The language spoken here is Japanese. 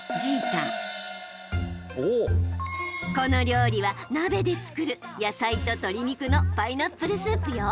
この料理は鍋で作る野菜と鶏肉のパイナップルスープよ。